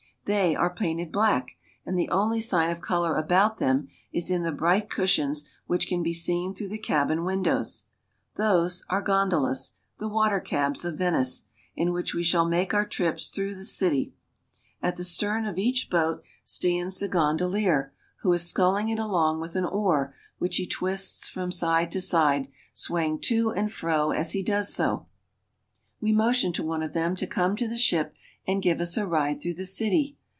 They are painted black, and the only sign of color about them is in the bright cushions which can be seen through the cabin windows. Those are gondolas, the water cabs of Venice, in which we shall make our trips through the city. At the stern of each boat stands the gondolier, who is sculling it along with an oar which he twists from side to side, swaying to and fro as he does so. VENICE. 395 The Water Cabs of Venice. We motion to one of them to come to the ship and give us a ride through the city.